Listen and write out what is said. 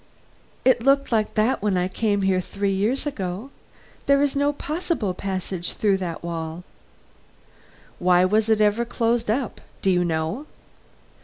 It looked like that when I came here three years ago. There is no possible passage through that wall." "Why was it ever closed up? Do you know?"